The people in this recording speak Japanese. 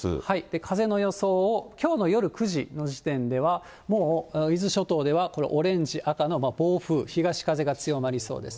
風の予想をきょうの夜９時の時点では、もう伊豆諸島ではこれ、オレンジ、赤の暴風、東風が強まりそうです。